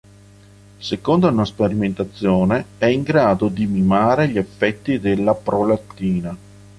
Secondo una sperimentazione, è in grado di mimare gli effetti della prolattina.